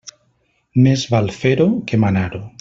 Més val fer-ho que manar-ho.